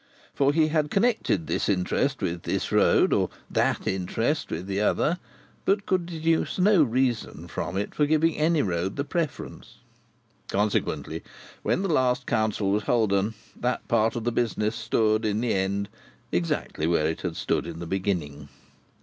For, he had connected this interest with this road, or that interest with the other, but could deduce no reason from it for giving any road the preference. Consequently, when the last council was holden, that part of the business stood, in the end, exactly where it had stood in the beginning.